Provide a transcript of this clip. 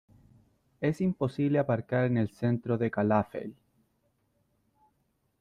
Es imposible aparcar en el centro de Calafell.